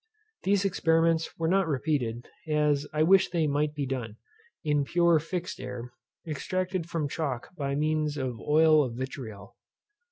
These experiments were not repeated, as I wish they might be done, in pure fixed air, extracted from chalk by means of oil of vitriol.